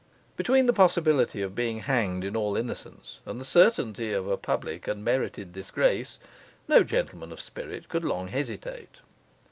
Between the possibility of being hanged in all innocence, and the certainty of a public and merited disgrace, no gentleman of spirit could long hesitate.